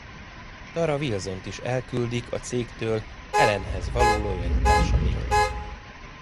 Tara Wilsont is elküldik a cégtől Alanhez való lojalitása miatt.